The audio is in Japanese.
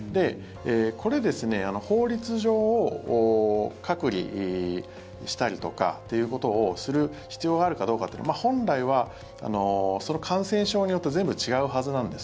これ、法律上隔離したりとかっていうことをする必要があるかどうかっていうのは本来は、その感染症によって全部違うはずなんです。